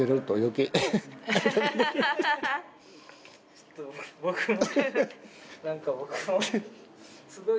ちょっと僕も。